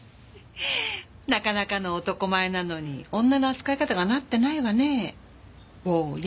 なかなかの男前なのに女の扱い方がなってないわね坊や。